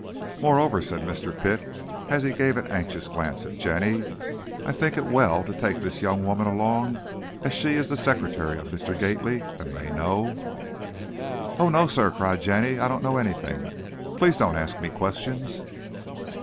"Moreover," said Mr. Pitt, as he gave an anxious glance at Jenny, "I think it well to take this young woman along, as she is the secretary of Mr. Gately and may know " "Oh, no, sir," cried Jenny, "I don't know anything! Please don't ask me questions!"